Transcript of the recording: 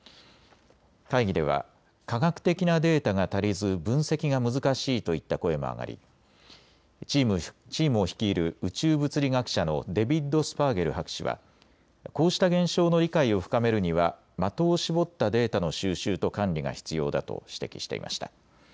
会議では科学的なデータが足りず分析が難しいといった声も上がり、チームを率いる宇宙物理学者のデビッド・スパーゲル博士はこうした現象の理解を深めるには的を絞ったデータの収集と管理が必要だと指摘していました。